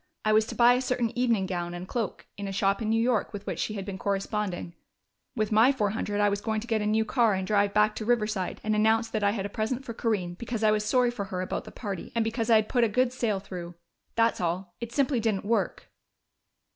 I was to buy a certain evening gown and cloak in a shop in New York with which she had been corresponding. With my four hundred I was going to get a new car and drive back to Riverside and announce that I had a present for Corinne, because I was sorry for her about the party, and because I had put a good sale through. That's all.... It simply didn't work."